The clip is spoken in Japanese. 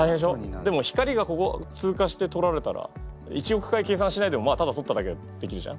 でも光がここ通過してとられたら１億回計算しないでただとっただけでできるじゃん？